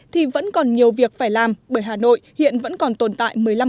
thì vẫn còn nhiều việc phải làm bởi hà nội hiện vẫn còn tồn tại một mươi năm